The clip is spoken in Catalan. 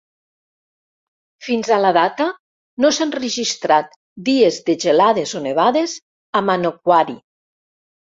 Fins a la data, no s'han registrat dies de gelades o nevades a Manokwari.